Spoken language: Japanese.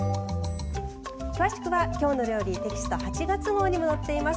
詳しくは「きょうの料理」テキスト８月号にも載っています。